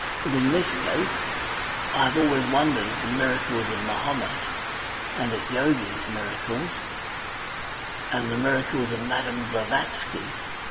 But in this case...I have always wondered at the miracles of Mahomet, and at Yogi's miracles, and the miracles of Madame Blavatsky.